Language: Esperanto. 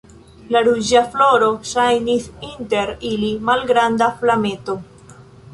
La ruĝa floro ŝajnis inter ili malgranda flameto.